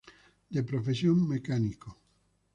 De profesión mecánico.